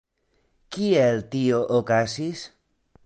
Kiel tio okazis?